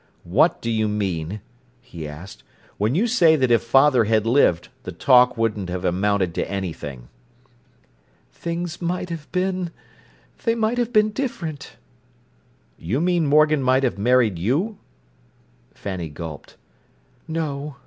"What do you mean," he asked, "when you say that if father had lived, the talk wouldn't have amounted to anything?" "Things might have been—they might have been different." "You mean Morgan might have married you?" Fanny gulped. "No.